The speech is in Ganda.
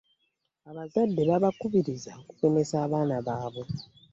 Abazadde babakubiriza okugemesa abaana baabwe.